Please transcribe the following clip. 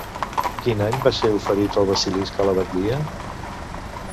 Quin any va ser oferit el Basilisc a la batllia?